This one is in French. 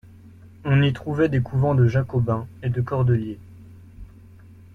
On y trouvait des couvents de Jacobins et de Cordeliers.